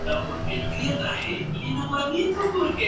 Miembros de Pink Floyd